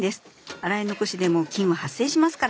洗い残しでも菌は発生しますから。